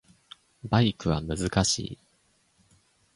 バイクは難しい